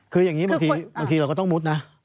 คืออย่างนี้บางทีเราก็ต้องมุดนะ